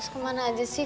mas kemana aja sih